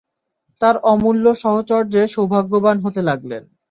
তাঁর অমূল্য সাহচর্যে সৌভাগ্যবান হতে লাগলেন।